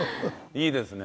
いいですね。